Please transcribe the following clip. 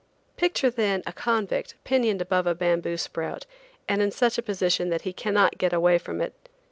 Picture then a convict pinioned above a bamboo sprout and in such a position that he cannot get away from it.